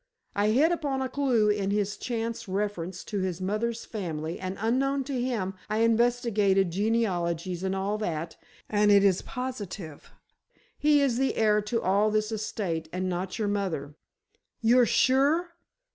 I hit upon a clue in his chance reference to his mother's family, and unknown to him I investigated genealogies and all that, and it is positive, he is the heir to all this estate, and not your mother." "You're sure?"